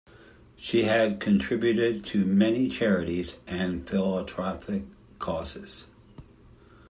She had contributed to many charities and philanthropic causes.